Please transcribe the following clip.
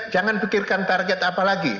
jangan pikirkan target apa lagi